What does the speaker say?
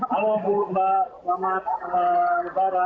alamakumul pak selamat raya raya